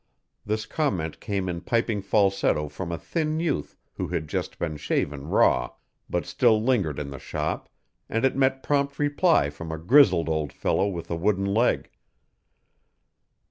This comment came in piping falsetto from a thin youth who had just been shaven raw, but still lingered in the shop, and it met prompt reply from a grizzled old fellow with a wooden leg.